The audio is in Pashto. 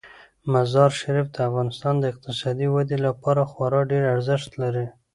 مزارشریف د افغانستان د اقتصادي ودې لپاره خورا ډیر ارزښت لري.